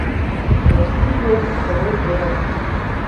Россий вер Совет Эл!